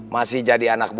masih jadi anak buah bos ubon